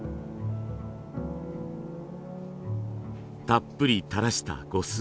たっぷり垂らした呉須。